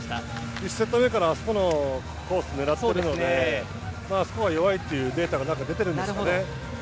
１セット目からあそこのコースを狙っているのであそこは弱いというデータがなんか出てるんでしょうね。